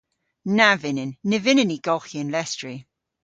Na vynnyn. Ny vynnyn ni golghi an lestri.